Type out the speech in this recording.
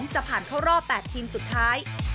จะผ่านสิ่งที่รอบ๘ทีมสุดท้าย